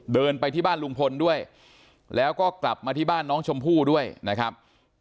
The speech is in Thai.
เดินไปที่บ้านลุงพลด้วยแล้วก็กลับมาที่บ้านน้องชมพู่ด้วยนะครับ